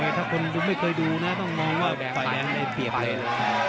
แต่ถ้าคนไม่เคยดูนะต้องมองว่าแดงตายไม่เปรียบเลย